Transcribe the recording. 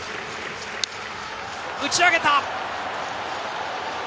打ち上げた。